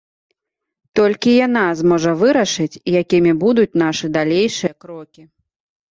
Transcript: Толькі яна зможа вырашыць, якімі будуць нашы далейшыя крокі.